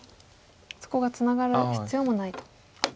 そこがツナがる必要もないと。